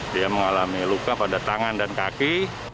dia mengalami luka pada tangan dan kaki